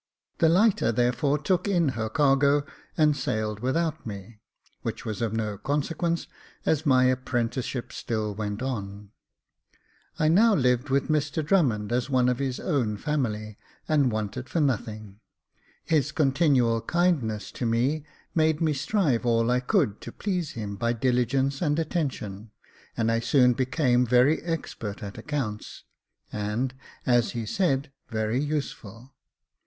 The lighter therefore took in her cargo, and sailed without me, which was of no consequence, as my apprenticeship still went on. I now lived with Mr Drummond as one of his own family, and wanted for nothing. His continual kindness to me made me strive all I could to please him by diligence and attention, and I soon became very expert at accounts, and, as he said, very useful.